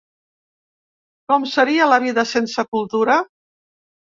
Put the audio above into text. Com seria la vida sense cultura?